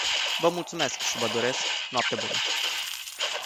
Vă mulțumesc și vă doresc noapte bună.